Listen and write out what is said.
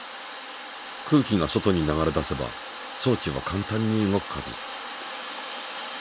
空気が外に流れ出せば装置は簡単に動くはず。